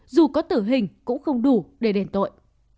dù có tử hình cũng không đủ để đền tội